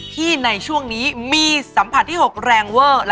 ในช่วงนี้มีสัมผัสที่๖แรงเวอร์